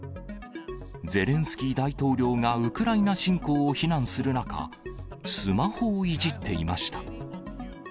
ゼレンスキー大統領がウクライナ侵攻を非難する中、スマホをいじっていました。